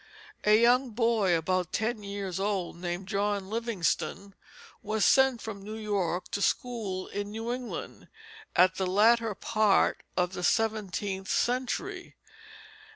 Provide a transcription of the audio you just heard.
A young boy, about ten years old, named John Livingstone, was sent from New York to school in New England at the latter part of the seventeenth century.